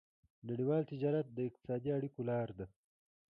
نړيوال تجارت د اقتصادي اړیکو لاره ده.